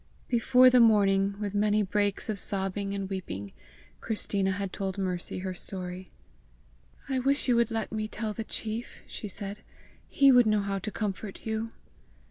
Before the morning, with many breaks of sobbing and weeping, Christina had told Mercy her story. "I wish you would let me tell the chief!" she said. "He would know how to comfort you."